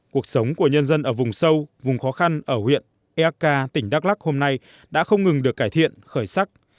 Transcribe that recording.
cuộc sống của nhân dân ở vùng sâu vùng khó khăn ở huyện eak tỉnh đắk lắc hôm nay đã không ngừng được cải thiện khởi sắc